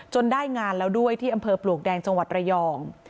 ได้งานแล้วด้วยที่อำเภอปลวกแดงจังหวัดระยอง